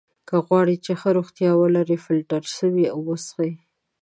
که غواړی چې ښه روغتیا ولری ! فلټر سوي اوبه څښئ!